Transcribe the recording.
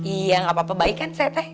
iya gak apa apa baik kan saya teh